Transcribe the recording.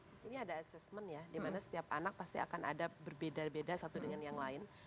pastinya ada assessment ya dimana setiap anak pasti akan ada berbeda beda satu dengan yang lain